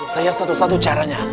saya satu satu caranya